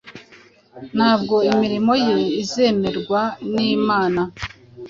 ntabwo imirimo ye izemerwa n’imana.